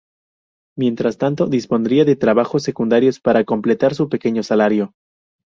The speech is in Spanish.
Mientras tanto, dispondría de trabajos secundarios para complementar su pequeño salario.